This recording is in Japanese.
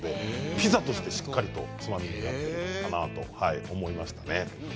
ピザとしてしっかりとつまみになるかなと思いましたね。